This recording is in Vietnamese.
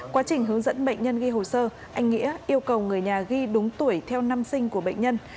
quá trình hướng dẫn bệnh nhân ghi hồ sơ anh nghĩa yêu cầu người nhà ghi đúng tuổi theo năm sinh của bệnh nhân